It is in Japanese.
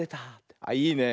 あっいいね。